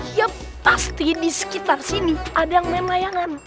ya pasti di sekitar sini ada yang main layangan